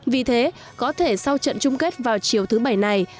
vì thế có thể sau trận chung kết vào chiều thứ bảy này